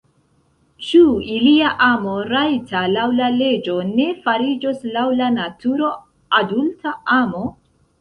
Ĉu ilia amo, rajta laŭ la leĝo, ne fariĝos laŭ la naturo adulta amo?